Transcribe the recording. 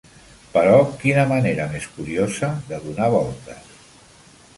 Però quina manera més curiosa de donar voltes!